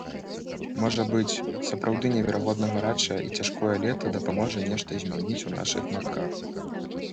Можа быць, сапраўды неверагодна гарачае і цяжкое лета дапаможа нешта змяніць у нашых мазгах.